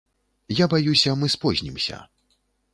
Я баюся, мы спознімся.